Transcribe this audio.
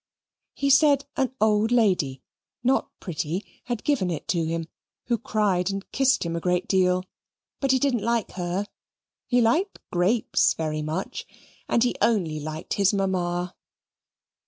He said an old lady, not pretty, had given it him, who cried and kissed him a great deal. But he didn't like her. He liked grapes very much. And he only liked his mamma.